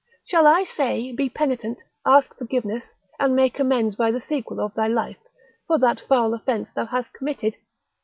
Shall I say, be penitent, ask forgiveness, and make amends by the sequel of thy life, for that foul offence thou hast committed?